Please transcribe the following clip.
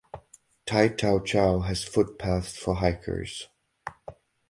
Tai Tau Chau has footpaths for hikers.